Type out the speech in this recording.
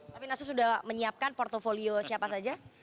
tapi nasdem sudah menyiapkan portfolio siapa saja